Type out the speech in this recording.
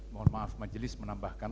mohon maaf majelis menambahkan